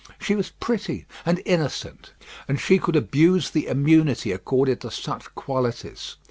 She was pretty and innocent; and she could abuse the immunity accorded to such qualities.